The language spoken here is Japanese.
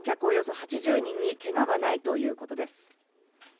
およそ８０人にけがはないということです。